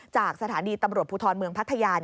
จากสถานีตำรวจภูทรเมืองพัทยา